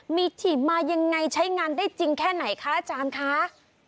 มีถีบมายังไงใช้งานได้จริงแค่ไหนคะอาจารย์คะ